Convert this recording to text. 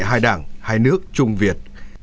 hai đảng hai nước trung việt